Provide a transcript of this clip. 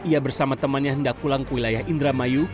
ia bersama temannya hendak pulang ke wilayah indramayu